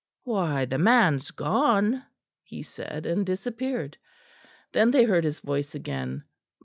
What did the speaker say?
"Why, the man's gone," he said, and disappeared. Then they heard his voice again.